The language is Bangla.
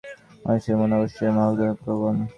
মানুষের মন অবশ্যই মন্দকর্মপ্রবণ।